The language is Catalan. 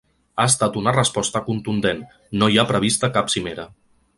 Ha estat una resposta contundent: No hi ha prevista cap cimera.